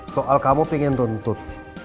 soal kamu pengen tuntut